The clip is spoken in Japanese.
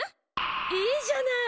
いいじゃない！